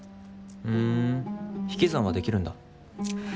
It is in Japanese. ふん引き算はできるんだ。